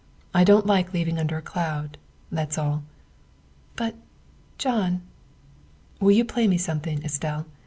I don't like leaving under a cloud, that's all." " But, John " Will you play me something, Estelle?